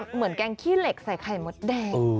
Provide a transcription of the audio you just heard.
เหมือนแกงขี้เหล็กใส่ไข่มดแดง